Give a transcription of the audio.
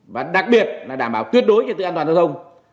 và đặc biệt là đảm bảo tuyết đối trật tự an toàn giao thông